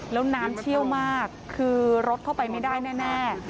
แล้วน้ำเชี่ยวมากคือรถเข้าไปไม่ได้แน่